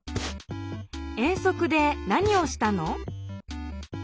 遠足で何をしたの？